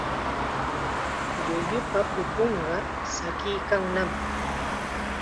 Llullupa pupunqa tsakiykannam.